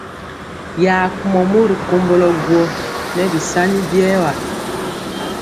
Ya kumɔ mori komblo guó nɛ bisani biewa.